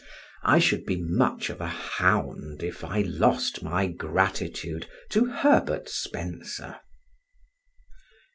I should be much of a hound if I lost my gratitude to Herbert Spencer.